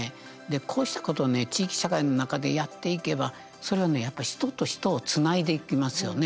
こうしたことをね地域社会の中でやっていけばそれはね、やっぱり人と人をつないでいきますよね。